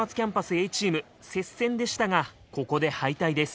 Ａチーム接戦でしたがここで敗退です。